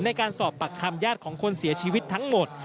ในการสอบปากคำญาติของคนเสียชีวิตทั้งหมด